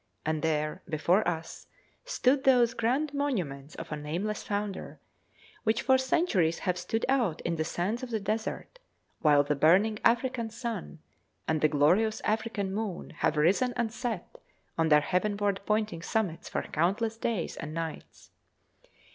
and there before us stood those grand monuments of a nameless founder, which for centuries have stood out in the sands of the desert, while the burning African sun and the glorious African moon have risen and set on their heavenward pointing summits for countless days and nights.